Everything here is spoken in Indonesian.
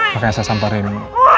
makanya saya sampai remi